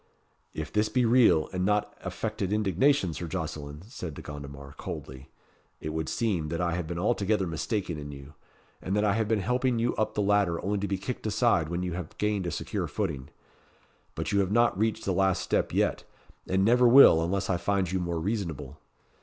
"If this be real, and not affected indignation, Sir Jocelyn," said De Gondomar coldly, "it would seem that I have been altogether mistaken in you, and that I have been helping you up the ladder only to be kicked aside when you have gained a secure footing. But you have not reached the last step yet, and never will, unless I find you more reasonable.